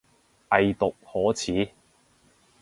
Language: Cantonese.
偽毒可恥